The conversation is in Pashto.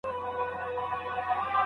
په غوسه ورته وړوکی لوی حیوان وو